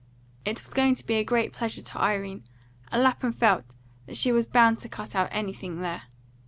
It was going to be a great pleasure to Irene, and Lapham felt that she was bound to cut out anything there.